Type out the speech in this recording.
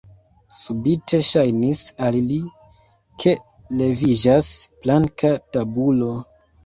Subite ŝajnis al li, ke leviĝas planka tabulo.